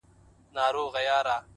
تش په نامه دغه ديدار وچاته څه وركوي؛